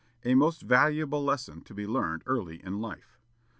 A most valuable lesson to be learned early in life.